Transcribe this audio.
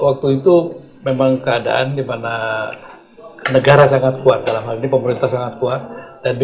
waktu itu memang keadaan dimana negara sangat kuat dalam hal ini pemerintah sangat kuat dan di